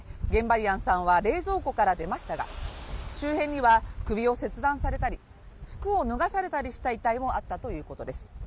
リアンさんは冷蔵庫から出ましたが周辺には首を切断されたり服を脱がされたりした遺体もあったということです